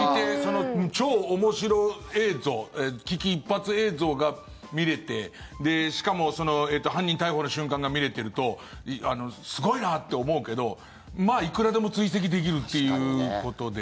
超面白映像危機一髪映像が見れてしかも犯人逮捕の瞬間が見れてるとすごいなって思うけどまあいくらでも追跡できるということで。